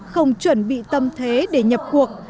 không chuẩn bị tâm thế để nhập cuộc